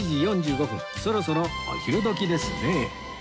そろそろお昼時ですね